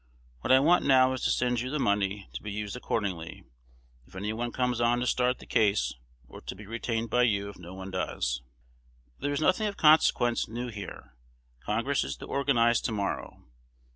What I want now is to send you the money to be used accordingly, if any one comes on to start the case, or to be retained by you if no one does. There is nothing of consequence new here. Congress is to organize to morrow.